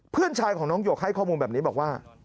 เพื่อนชายของน้องหยกให้ข้อมูลแบบนี้บอกว่า